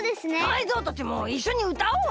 タイゾウたちもいっしょにうたおうよ。